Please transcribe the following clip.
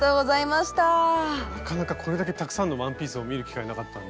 なかなかこれだけたくさんのワンピースを見る機会なかったんで。